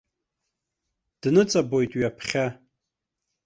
Дныҵабоит ҩаԥхьа.